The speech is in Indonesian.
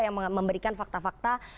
yang memberikan fakta fakta